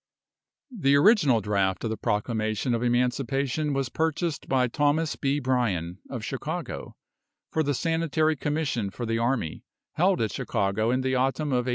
The original draft of the proclamation of Emancipation was purchased by Thos. B. Bryan, of Chicago, for the Sanitary Commission for the Army, held at Chicago in the autumn of 1863.